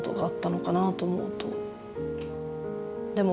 でも